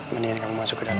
mendingan kamu masuk ke dalam